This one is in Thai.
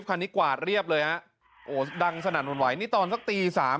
คันนี้กวาดเรียบเลยฮะโอ้ดังสนั่นหวั่นไหวนี่ตอนสักตีสาม